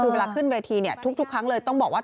เวลาขึ้นเวทีทุกครั้งเลยต้องบอกว่า